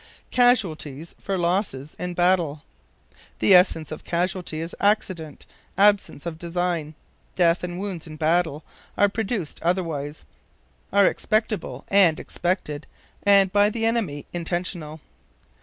Casualties for Losses in Battle. The essence of casualty is accident, absence of design. Death and wounds in battle are produced otherwise, are expectable and expected, and, by the enemy, intentional.